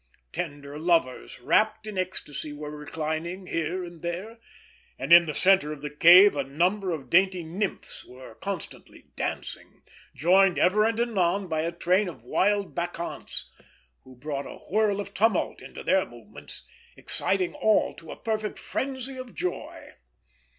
Tender lovers, wrapped in ecstasy, were reclining here and there; and in the centre of the cave a number of dainty Nymphs were constantly dancing, joined ever and anon by a train of wild Bacchantes, who brought a whirl of tumult into their movements, exciting all to a perfect frenzy of joy.